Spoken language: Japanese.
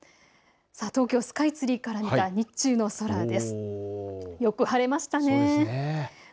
東京スカイツリーから見た日中の空の様子です。